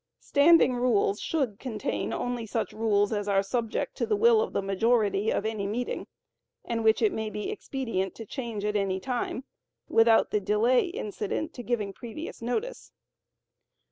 Standing Rules should contain only such rules as are subject to the will of the majority of any meeting, and which it may be expedient to change at any time, without the delay incident to giving previous notice.